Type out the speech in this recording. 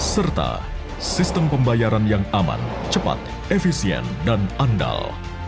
serta sistem pembayaran yang aman cepat efisien dan andal